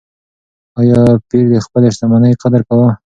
ایا پییر د خپلې شتمنۍ قدر کاوه؟